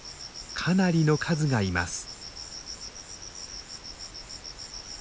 かなりの数がいます。